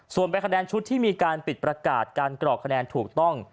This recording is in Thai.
ส่วนใบคะแนนชุดที่มีการปิดประกาศการกรอกคะแนนถูกต้อง